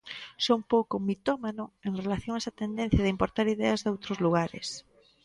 Son pouco mitómano en relación a esa tendencia de importar ideas doutros lugares.